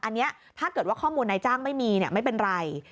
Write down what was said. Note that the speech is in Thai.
อันนี้ถ้าเกิดว่าข้อมูลนายจ้างไม่มีไม่เป็นไร